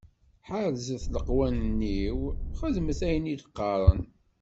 Ḥerzet leqwanen-iw, xeddmet ayen i d-qqaren.